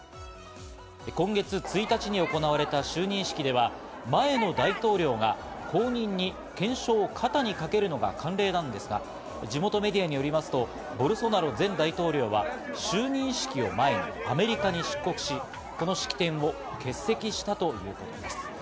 今月１日に行われた就任式では前の大統領が後任に懸章を肩にかけるのが慣例なんですが、地元メディアによりますとボルソナロ前大統領は就任式を前にアメリカに出国し、この式典を欠席したということです。